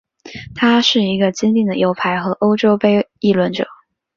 他是一个坚定的右派和欧洲怀疑论者。